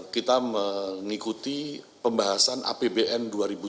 kita mengikuti pembahasan apbn dua ribu tujuh belas